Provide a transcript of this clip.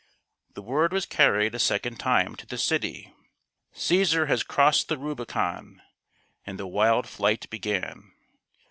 The word was carried a second time to the city: " Caesar has crossed the Rubicon ;" and the wild flight began.